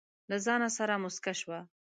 له ځانه سره موسکه شوه.